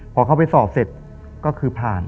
พอเข้าไปสอบเสร็จก็คือผ่าน